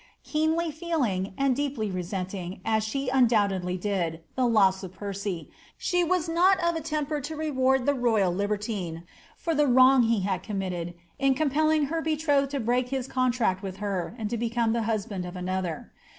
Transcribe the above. Keenly feeling, and deeply resenting, as she undoubtedly did, the loss oi Peroy, she was not of a temper to reward the royal libertine, for the wrong he had committed, in compelling her betrothed to break hit contract with her, and to become the husband of another.